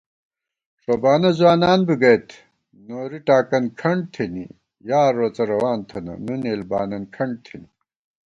ݭوبانہ ځوانان بی گئیت نوری ٹاکن کھنٹ تھنی * یار روڅہ روان تھنہ نُن یېل بانن کھنٹ تھنی